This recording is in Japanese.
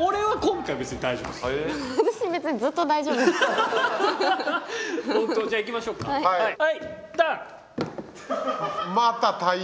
はい。